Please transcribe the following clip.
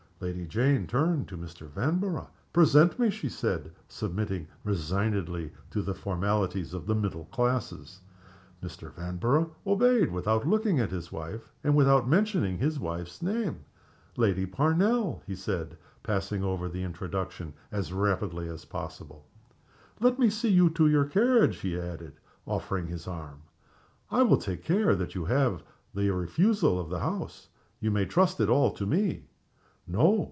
Lady Jane turned to Mr. Vanborough. "Present me!" she said, submitting resignedly to the formalities of the middle classes. Mr. Vanborough obeyed, without looking at his wife, and without mentioning his wife's name. "Lady Jane Parnell," he said, passing over the introduction as rapidly as possible. "Let me see you to your carriage," he added, offering his arm. "I will take care that you have the refusal of the house. You may trust it all to me." No!